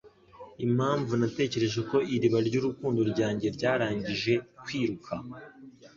Impamvu natekereje ko iriba ryurukundo rwanjye ryarangije kwiruka